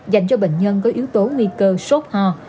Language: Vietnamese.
dành cho bệnh nhân có yếu tố nguy cơ sốt ho